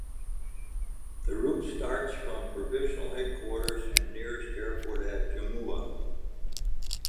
The route starts from provincial headquarter and nearest airport at Jammu.